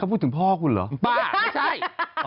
พูดถึงพ่อคุณเหรอบ้าไม่ใช่